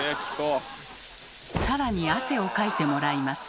更に汗をかいてもらいます。